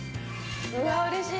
うわー、うれしい！